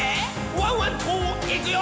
ワンワンといくよ」